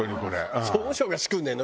総務省が仕組んでるの？